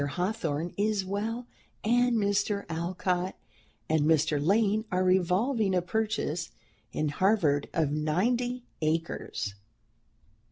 Hawthorne is well, and Mr. Alcott and Mr. Lane are revolving a purchase in Harvard of ninety acres."